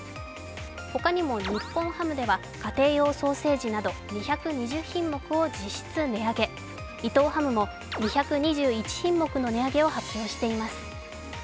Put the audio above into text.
ほかにも日本ハムでは家庭用ソーセージなど２２０品目を実質値上げ伊藤ハムも２２１品目の値上げを発表しています。